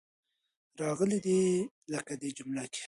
راغلې دي. لکه دې جمله کې.